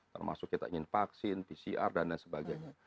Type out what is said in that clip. termasuk kita ingin vaksin pcr dan lain sebagainya